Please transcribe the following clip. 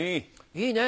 いいね。